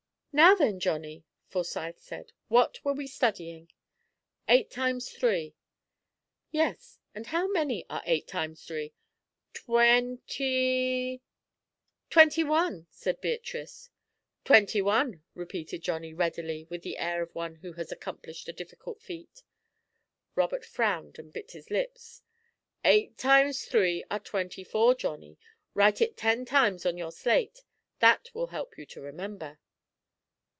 "Now, then, Johnny," Forsyth said, "what were we studying?" "Eight times three." "Yes, and how many are eight times three?" "Twenty " "Twenty one," said Beatrice. "Twenty one," repeated Johnny, readily, with the air of one who has accomplished a difficult feat. Robert frowned and bit his lips. "Eight times three are twenty four, Johnny. Write it ten times on your slate that will help you to remember."